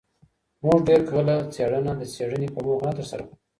موږ ډېر کله څېړنه د څېړني په موخه نه ترسره کوو.